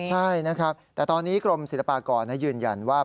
ใช่นะครับแต่ตอนนี้กรมศิลปากรยืนยันว่า